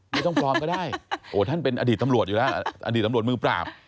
ไม่ต้องปลอมก็ได้โอ้ท่านเป็นอดีตตำรวจอยู่แล้วอดีตตำรวจมือปราบ